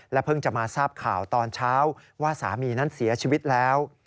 เพิ่งจะมาทราบข่าวตอนเช้าว่าสามีนั้นเสียชีวิตแล้ว